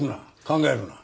考えるな。